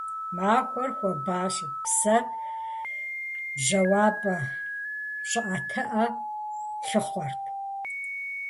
Махуэр хуабащэт, псэр жьауапӀэ, щӀыӀэтыӀэ лъыхъуэрт.